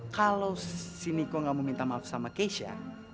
kalau si miko gak mau minta maaf sama keisha